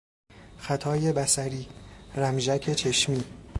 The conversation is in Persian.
خطای بصری، رمژکچشمی